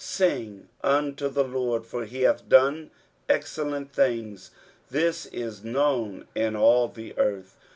23:012:005 Sing unto the LORD; for he hath done excellent things: this is known in all the earth.